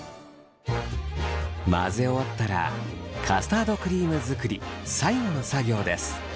混ぜ終わったらカスタードクリーム作り最後の作業です。